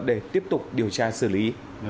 để tiếp tục điều tra xử lý